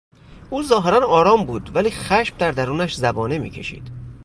او ظاهرا آرام بود ولی خشم در درونش زبانه میکشید.